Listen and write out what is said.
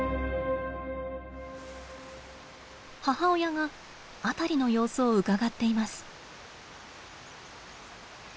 母親が辺りの様子をうかがっています。